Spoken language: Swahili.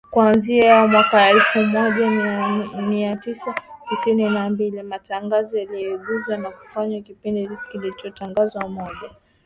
Kuanzia mwaka elfu mia tisa sitini na mbili, matangazo yaligeuzwa na kufanywa kipindi kilichotangazwa moja kwa moja, kila siku kutoka Washington,